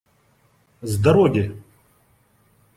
С дороги!